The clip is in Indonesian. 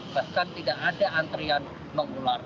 bahkan tidak ada antrian mengular